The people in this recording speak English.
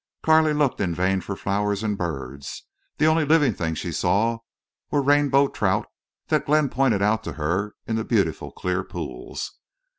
Carley looked in vain for flowers and birds. The only living things she saw were rainbow trout that Glenn pointed out to her in the beautiful clear pools.